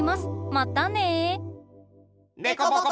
またね！